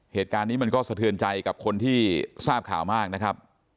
เหตุการณ์นี้มันก็สะเทือนใจกับคนที่ทราบข่าวมากนะครับ